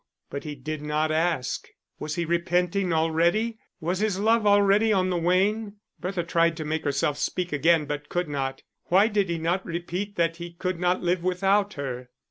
But he did not ask. Was he repenting already? Was his love already on the wane? Bertha tried to make herself speak again, but could not. Why did he not repeat that he could not live without her!